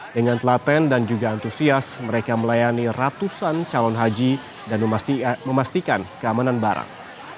dengan telaten dan juga antusias mereka melayani ratusan calon haji dan memastikan keamanan barang